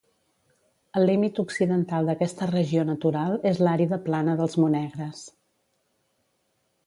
El límit occidental d'aquesta regió natural és l'àrida plana dels Monegres.